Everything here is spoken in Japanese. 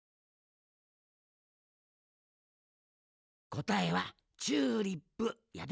こたえはチューリップやで。